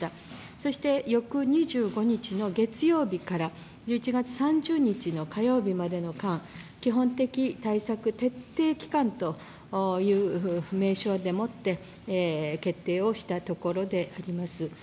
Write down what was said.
そして、翌２５日の月曜日から１１月３０日の火曜日までの間、基本的対策徹底期間という名称でもって決定をしたところであります。